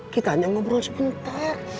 kita hanya ngobrol sebentar